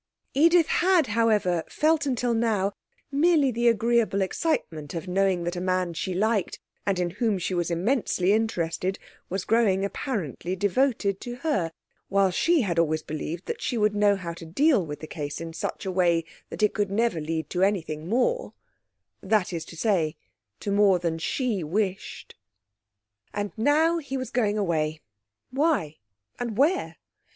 Edith had, however, felt until now merely the agreeable excitement of knowing that a man she liked, and in whom she was immensely interested, was growing apparently devoted to her, while she had always believed that she would know how to deal with the case in such a way that it could never lead to anything more that is to say, to more than she wished. And now, he was going away. Why? And where?